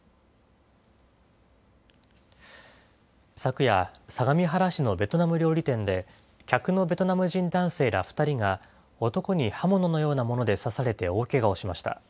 昨夜、相模原市のベトナム料理店で、客のベトナム人男性ら２人が、男に刃物のようなもので刺されて大けがをしました。